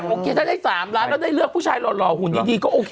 โอเคถ้าได้สามร้านก็ได้เลือกผู้ชายหล่อหุ่นอย่างนี้ก็โอเค